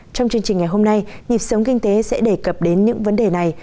trong chương trình ngày hôm nay nhịp sống kinh tế sẽ đề cập đến những vấn đề này